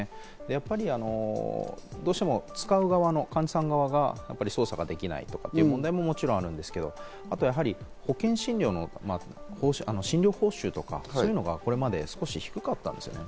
やっぱりどうしても使う側の患者さんが操作ができないという問題ももちろんあるんですけど、あと、やはり保険診療の診療報酬とか、そういうのがこれまで少し低かったんですね。